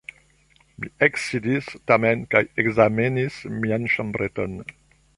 Mi eksidis tamen kaj ekzamenis mian ĉambreton.